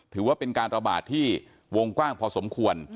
ถือว่าเป็นการระบาดที่วงกว้างพอสมควร